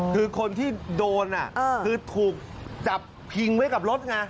คือคนที่โดนคือถูกจับพิงไว้กับรถไง